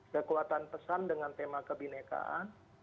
kekuatan pesan dengan tema kebinekaan